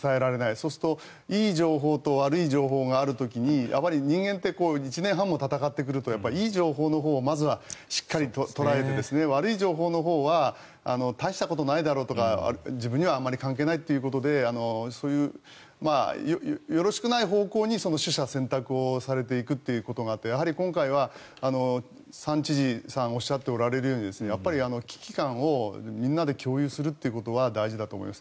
そうするといい情報と悪い情報がある時に人間って１年半も闘ってくるとやっぱりいい情報のほうをまずはしっかり捉えて悪い情報のほうは大したことないだろうとか自分にはあまり関係ないということでそういうよろしくない方向に取捨選択をされていくということがあってやはり今回は、３知事さんがおっしゃっておられるようにやっぱり危機感をみんなで共有するということは大事だと思います。